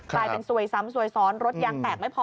กลายเป็นซวยซ้ำซวยซ้อนรถยางแตกไม่พอ